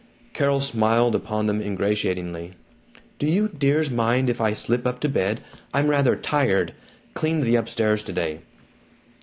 Carol smiled upon them ingratiatingly. "Do you dears mind if I slip up to bed? I'm rather tired cleaned the upstairs today."